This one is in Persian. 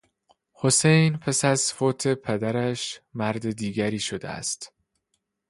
حسین پس از فوت پدرش مرد دیگری شده است.